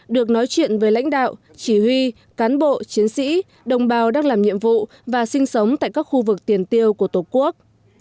được nói chuyện với lãnh đạo chỉ huy cán bộ chiến sĩ đồng bào đang làm nhiệm vụ và sinh sống tại các khu vực tiền tiêu của tổ quốc